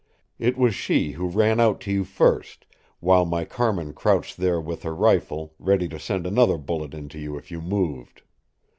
It was she who ran out to you first, while my Carmin crouched there with her rifle, ready to send another bullet into you if you moved.